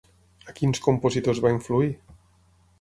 A quins compositors va influir?